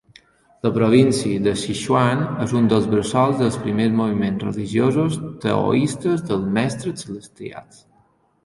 La província de Sichuan és un dels bressols dels primers moviments religiosos taoistes dels Mestres Celestials.